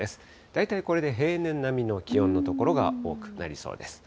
大体これで平年並みの気温の所が多くなりそうです。